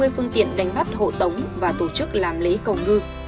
một trăm năm mươi phương tiện đánh bắt hộ tống và tổ chức làm lễ cầu ngư